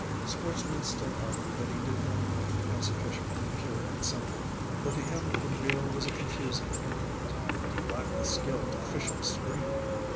Sportsmen still argue that he did not rank as a fisherman pure and simple, for to him a reel was a confusing implement, and he lacked the skill to fish up stream.